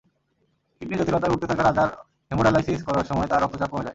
কিডনির জটিলতায় ভুগতে থাকা রাজার হেমোডায়ালাইসিস করার সময় তাঁর রক্তচাপ কমে যায়।